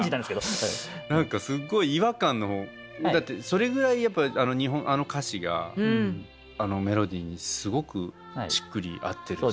何かすごい違和感だってそれぐらいやっぱりあの歌詞があのメロディーにすごくしっくり合ってるし。